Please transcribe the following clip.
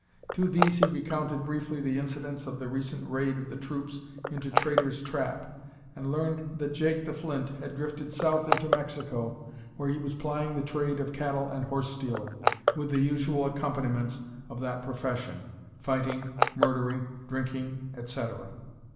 To these he recounted briefly the incidents of the recent raid of the troops into Traitor's Trap, and learned that Jake the Flint had "drifted south into Mexico where he was plying the trade of cattle and horse stealer, with the usual accompaniments of that profession fighting, murdering, drinking, etcetera."